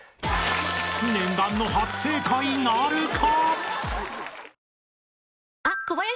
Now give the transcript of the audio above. ［念願の初正解なるか！？］